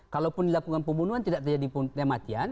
kalaupun dilakukan pembunuhan tidak terjadi pembunuhnya mati